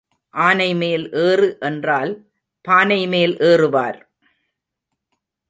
ஆனை மேல் ஏறு என்றால் பானை மேல் ஏறுவார்?